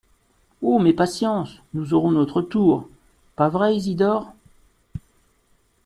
Oh ! mais patience, nous aurons notre tour ! pas vrai Isidore ?